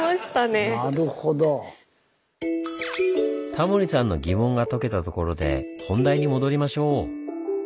タモリさんの疑問が解けたところで本題に戻りましょう。